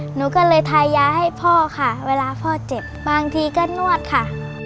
หนูก็เลยทายาให้พ่อค่ะเวลาพ่อเจ็บบางทีก็นวดค่ะ